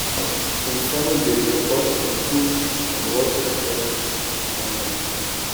In summer there is a buzz from tourists on water as well on land.